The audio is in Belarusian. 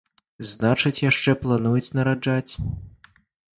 Значыць, яшчэ плануюць нараджаць.